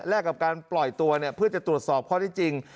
กับการปล่อยตัวเพื่อจะตรวจสอบข้อที่จริง